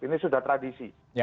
ini sudah tradisi